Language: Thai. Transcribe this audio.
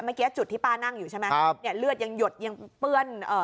เมื่อกี้จุดที่ป้านั่งอยู่ใช่ไหมครับเนี่ยเลือดยังหยดยังเปื้อนเอ่อ